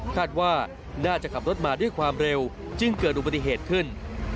คาดว่าน่าจะขับรถมาด้วยความเร็วจึงเกิดอุบัติเหตุขึ้น